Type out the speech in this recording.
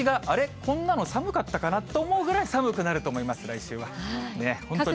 こんなの寒かったかなと思うぐらい寒くなると思います、来週は。